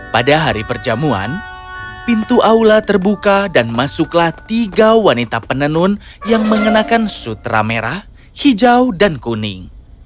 pada hari perjamuan pintu aula terbuka dan masuklah tiga wanita penenun yang mengenakan sutra merah hijau dan kuning